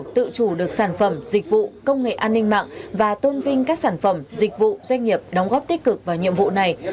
tự chủ được sản phẩm dịch vụ công nghệ an ninh mạng và tôn vinh các sản phẩm dịch vụ doanh nghiệp đóng góp tích cực vào nhiệm vụ này